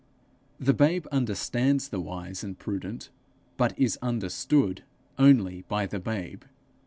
The babe understands the wise and prudent, but is understood only by the babe.